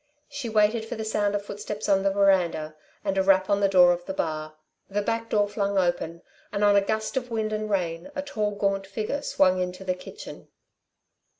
She waited for the sound of footsteps on the verandah and a rap on the door of the bar. The back door flung open, and on a gust of wind and rain, a tall, gaunt figure swung into the kitchen.